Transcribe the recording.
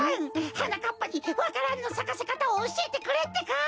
はなかっぱにわか蘭のさかせかたをおしえてくれってか？